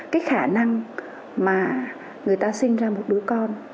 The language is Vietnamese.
cái khả năng mà người ta sinh ra một đứa con